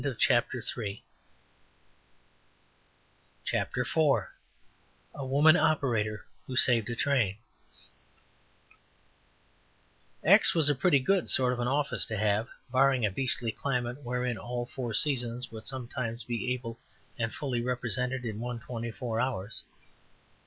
CHAPTER IV A WOMAN OPERATOR WHO SAVED A TRAIN X was a pretty good sort of an office to have, barring a beastly climate wherein all four seasons would sometimes be ably and fully represented in one twenty four hours.